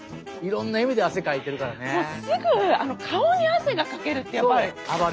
もうすぐ顔に汗がかけるってヤバい。